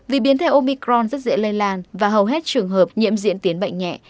vì biến thể omicron rất dễ lây lan và hầu hết trường hợp nhiễm diễn tiến bệnh nhẹ